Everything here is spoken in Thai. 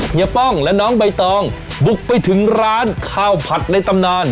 ป้องและน้องใบตองบุกไปถึงร้านข้าวผัดในตำนาน